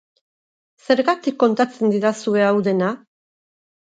Zergatik kontatzen didazue hau dena?